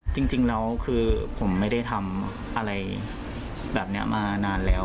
จริงแล้วคือผมไม่ได้ทำอะไรแบบนี้มานานแล้ว